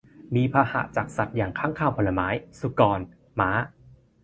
มีพาหะจากสัตว์อย่างค้างคาวผลไม้ สุกร ม้า